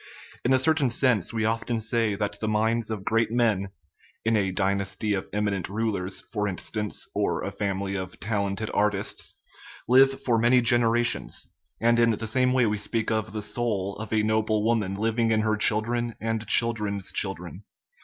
In a cer tain sense we often say that the minds of great men (in a dynasty of eminent rulers, for instance, or a fam ily of talented artists) live for many generations ; and in the same way we speak of the "soul" of a noble woman living in her children and children's children.